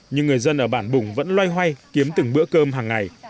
nhưng người dân ở bản bùng vẫn loay hoay kiếm từng bữa cơm hằng ngày